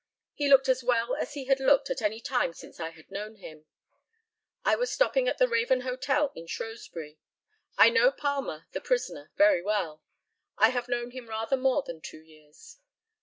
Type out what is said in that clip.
He looked as well as he had looked at any time since I had known him. I was stopping at the Raven Hotel at Shrewsbury. I know Palmer (the prisoner) very well. I have known him rather more than two years.